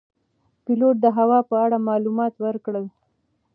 پیلوټ د هوا په اړه معلومات ورکړل.